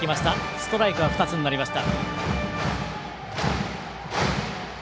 ストライク２つになりました。